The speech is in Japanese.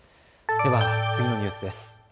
では次のニュースです。